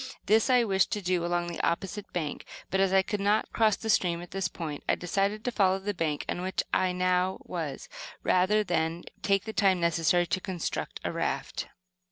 This I wished to do along the opposite bank, but, as I could not cross the stream at this point, I decided to follow the bank on which I now was, rather than take the time necessary to construct a raft.